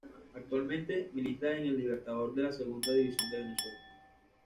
Actualmente milita en el Libertador de la Segunda División de Venezuela.